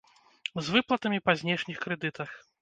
З выплатамі па знешніх крэдытах.